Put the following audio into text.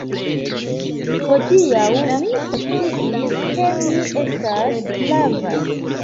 Hodiaŭ mi konsciis, ke mi estas prava!